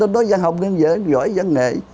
nói giang học ngân vệ giỏi giang nghệ